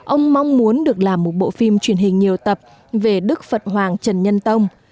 ông mong muốn được làm một bộ phim truyền hình nhiều tập về đức phật hoàng trần nhân tông